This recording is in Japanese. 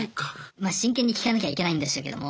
まあ真剣に聞かなきゃいけないんでしょうけども。